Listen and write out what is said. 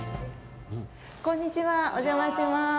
こんにちは、お邪魔します。